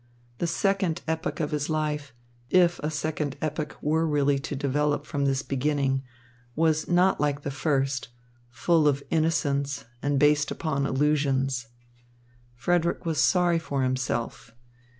The second epoch of his life, if a second epoch were really to develop from this beginning, was not like the first, full of innocence and based upon illusions. Frederick was sorry for himself.